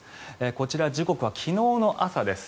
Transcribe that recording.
こちら、時刻は昨日の朝です。